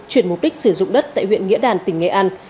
chuyển mục đích sử dụng đất tại huyện nghĩa đàn tỉnh nghệ an